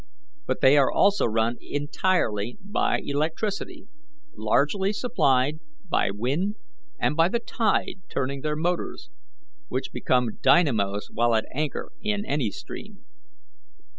But they are also run entirely by electricity, largely supplied by wind, and by the tide turning their motors, which become dynamos while at anchor in any stream.